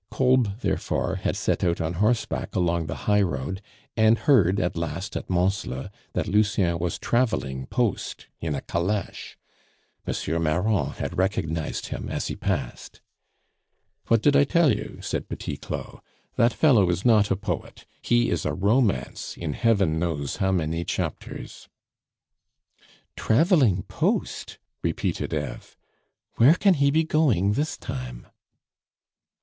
Kolb, therefore, had set out on horseback along the highroad, and heard at last at Mansle that Lucien was traveling post in a caleche M. Marron had recognized him as he passed. "What did I tell you?" said Petit Claud. "That fellow is not a poet; he is a romance in heaven knows how many chapters." "Traveling post!" repeated Eve. "Where can he be going this time?"